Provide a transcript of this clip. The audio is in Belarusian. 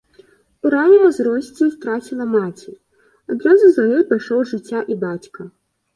У раннім узросце страціла маці, адразу за ёй пайшоў з жыцця і бацька.